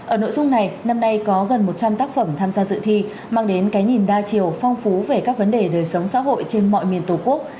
ở nội dung này năm nay có gần một trăm linh tác phẩm tham gia dự thi mang đến cái nhìn đa chiều phong phú về các vấn đề đời sống xã hội trên mọi miền tổ quốc